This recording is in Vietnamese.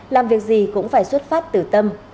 làm việc gì cũng phải xuất phát từ tâm